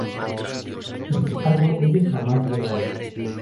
Sin embargo ellos jamás llegaron.